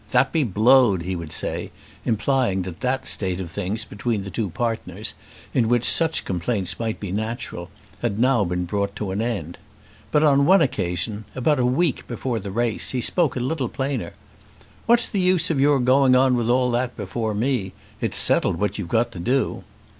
"That be blowed!" he would say, implying that that state of things between the two partners, in which such complaints might be natural, had now been brought to an end. But on one occasion, about a week before the race, he spoke out a little plainer. "What's the use of your going on with all that before me? It's settled what you've got to do."